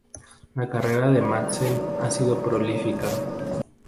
La carrera de Madsen ha sido prolífica.